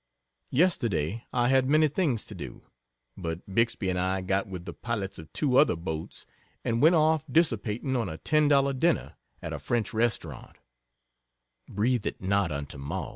Yesterday, I had many things to do, but Bixby and I got with the pilots of two other boats and went off dissipating on a ten dollar dinner at a French restaurant breathe it not unto Ma!